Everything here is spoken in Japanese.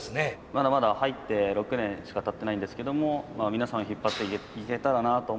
まだまだ入って６年しかたってないんですけども皆さんを引っ張っていけたらなと思って。